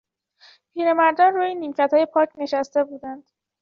پیرمردان روی نیمکتهای پارک نشسته بودند.